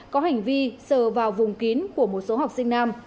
có hành vi sờ vào vùng kín của một số học sinh nam